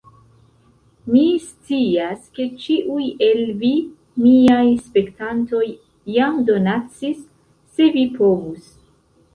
Mi scias ke ĉiuj el vi, miaj spektantoj jam donacis se vi povus